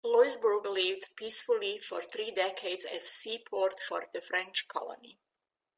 Louisbourg lived peacefully for three decades as seaport for the French colony.